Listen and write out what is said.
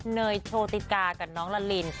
เนยโชติกากับน้องละลิน